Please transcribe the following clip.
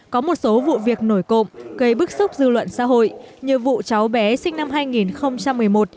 có một số vụ việc nổi cộng gây bức xúc dư luận xã hội như vụ cháu bé sinh năm hai nghìn một mươi một